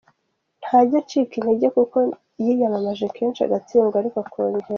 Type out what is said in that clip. Ntajya acika intege, kuko yiyamamaje kenshi agatsindwa ariko akongera.